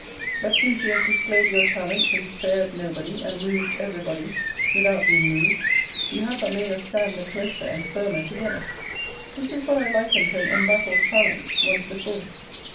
But since you have displayed your talents, and spared nobody, and moved every body, without being moved, you have but made us stand the closer and firmer together. This is what I likened to an embattled phalanx, once before.